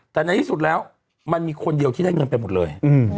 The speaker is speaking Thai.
แต่ในที่สุดแล้วมันมีคนเดียวที่ได้เงินไปหมดเลย